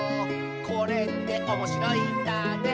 「これっておもしろいんだね」